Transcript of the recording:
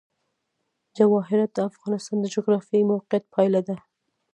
جواهرات د افغانستان د جغرافیایي موقیعت پایله ده.